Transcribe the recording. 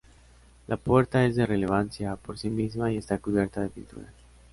La Puerta es de relevancia por sí misma y esta cubierta de pinturas.